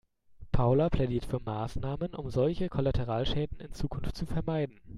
Paula plädiert für Maßnahmen, um solche Kollateralschäden in Zukunft zu vermeiden.